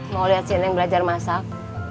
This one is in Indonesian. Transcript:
mau liat si neng belajar masak